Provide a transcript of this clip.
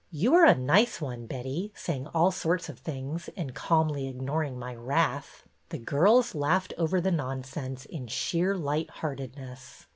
" You are a nice one, Betty, saying all sorts of things and calmly ignoring my wrath !" The girls laughed over the nonsense, in sheer lightheartedness.